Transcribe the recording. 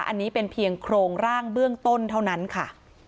อันนี้เป็นเพียงโครงร่างเบื้องต้นเท่านั้นค่ะ